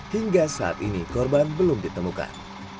hingga saat ini korban belum ditemukan